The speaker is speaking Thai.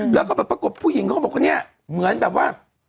แล้วก็แบบปรากฏผู้หญิงเขาก็บอกว่าเนี่ยเหมือนแบบว่า